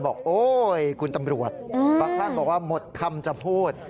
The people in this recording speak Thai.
โอ๊ยคุณตำรวจบางท่านบอกว่าหมดคำจะพูด